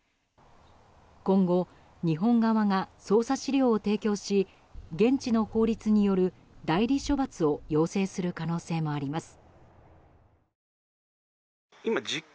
今後、日本側が捜査資料を提供し現地の法律による代理処罰を要請する可能性もあります。